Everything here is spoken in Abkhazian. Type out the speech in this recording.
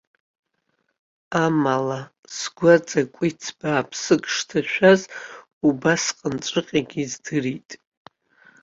Амала, сгәаҵа кәиц бааԥсык шҭашәаз убасҟанҵәҟьагьы издырит.